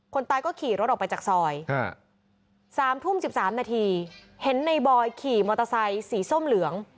คนตายก็ขี่รถออกไปจากซอย๓ทุ่ม๑๓นาทีเห็นในบอยขี่มอเตอร์ไซค์สีส้มเหลือง